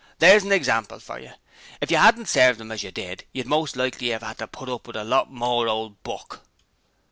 'There's an example for yer! If you 'adn't served 'im as you did you'd most likely 'ave 'ad to put up with a lot more ole buck.'